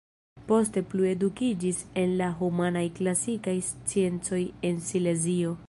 Poste plu edukiĝis en la humanaj-klasikaj sciencoj en Silezio.